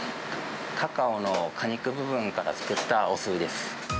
カカオの果肉部分から作ったお酢です。